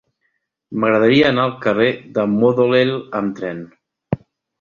M'agradaria anar al carrer de Modolell amb tren.